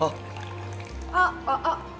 あっ！